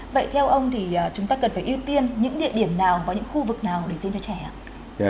vậy theo ông thì chúng ta cần phải ưu tiên những địa điểm nào và những khu vực nào để xin cho trẻ ạ